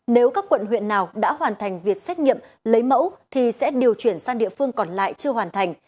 nếu các quận huyện nào đã hoàn thành việc xét nghiệm lấy mẫu thì sẽ điều chuyển sang địa phương còn lại chưa hoàn thành